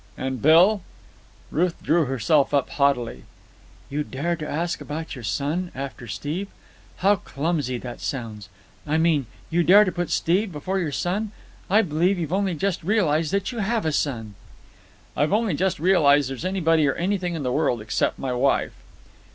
"And Bill?" Ruth drew herself up haughtily. "You dare to ask about your son after Steve? How clumsy that sounds! I mean you dare to put Steve before your son. I believe you've only just realized that you have a son." "I've only just realized there's anybody or anything in the world except my wife."